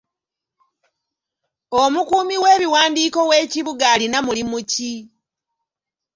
Omukuumi w'ebiwandiiko w'ekibuga alina mulimu ki?